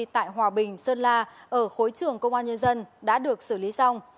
tại hòa bình sơn la ở khối trường công an nhân dân đã được xử lý xong